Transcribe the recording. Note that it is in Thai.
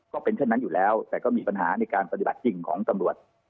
ก็เป็นเช่นนั้นอยู่แล้วแต่ก็มีปัญหาในการปฏิบัติจริงของตำรวจ